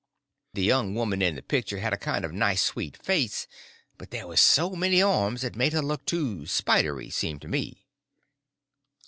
The young woman in the picture had a kind of a nice sweet face, but there was so many arms it made her look too spidery, seemed to me.